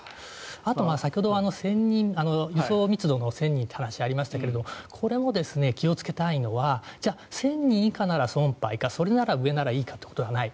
あと、先ほど輸送密度の１０００人という話がありましたがこれも気をつけたいのはじゃあ１０００人以下なら存廃かそれなら上からいいかということはない。